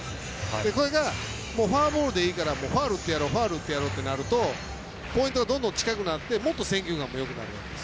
これがフォアボールでいいからファウルを打ってやろうとなるとポイントがどんどん近くなってもっと選球眼もよくなるんです。